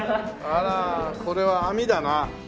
あらあこれは網だな。